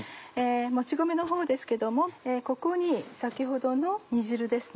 もち米のほうですけどもここに先ほどの煮汁ですね。